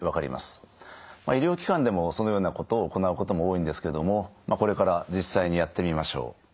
医療機関でもそのようなことを行うことも多いんですけれどもこれから実際にやってみましょう。